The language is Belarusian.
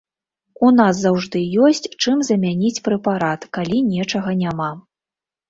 У нас заўжды ёсць, чым замяніць прэпарат, калі нечага няма.